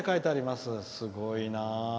すごいな。